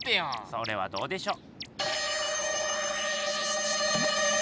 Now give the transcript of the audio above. それはどうでしょう？